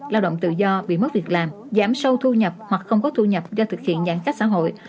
lao động tự do bị mất việc làm giảm sâu thu nhập hoặc không có thu nhập do thực hiện giãn cách xã hội